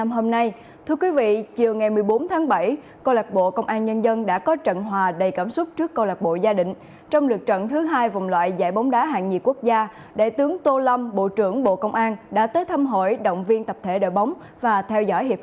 hãy đăng ký kênh để ủng hộ kênh của mình nhé